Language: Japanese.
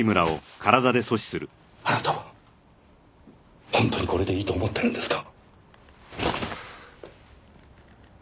あなたは本当にこれでいいと思ってるんですか？